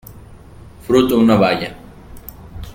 Fruto una baya.